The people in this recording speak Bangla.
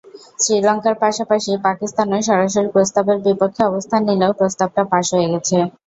শ্রীলঙ্কার পাশাপাশি পাকিস্তানও সরাসরি প্রস্তাবের বিপক্ষে অবস্থান নিলেও প্রস্তাবটা পাস হয়ে গেছে।